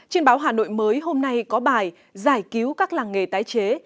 trên báo hà nội mới hôm nay có bài giải cứu các làng nghề tái chế